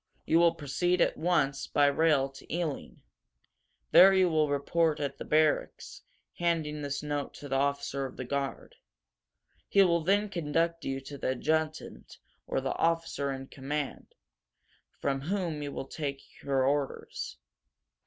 "You will proceed at once, by rail, to Ealing," he said. "There you will report at the barracks, handing this note to the officer of the guard. He will then conduct you to the adjutant or the officer in command, from whom you will take your orders."